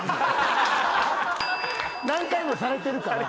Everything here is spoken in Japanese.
何回もされてるから。